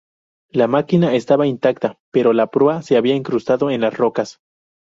La máquina estaba intacta, pero la proa se había incrustado en las rocas.